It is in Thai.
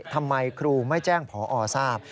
ทำไมครูไม่แจ้งพอทราบ